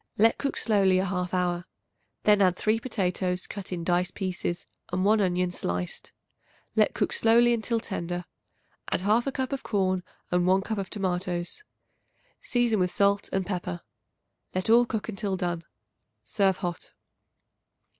Let cook slowly a half hour. Then add 3 potatoes, cut in dice pieces, and 1 onion, sliced. Let cook slowly until tender. Add 1/2 cup of corn and 1 cup of tomatoes; season with salt and pepper. Let all cook until done. Serve hot.